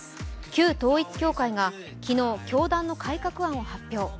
旧統一教会が昨日教団の改革案を発表。